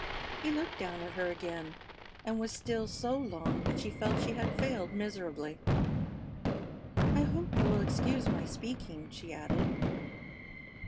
He looked down at her again, and was still so long that she felt she had failed miserably. "I hope you will excuse my speaking," she added.